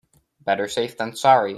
Better safe than sorry.